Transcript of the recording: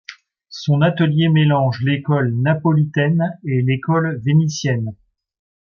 Son atelier mélange l'école napolitaine et l'école vénitienne.